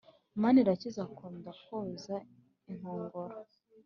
manirakiza akunda kwoza inkongoro